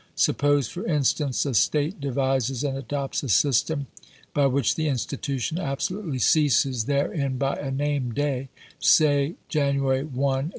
Suppose, for instance, a State devises and adopts a system by which the institution absolutely ceases therein by a named day — say January 1, 1882.